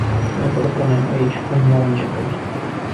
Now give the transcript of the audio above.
Noi propunem aici un nou început.